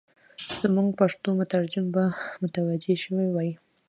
زموږ پښتو مترجم به متوجه شوی وای.